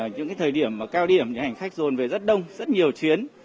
những cái thời điểm mà cao điểm thì hành khách dồn về rất đông rất nhiều chuyến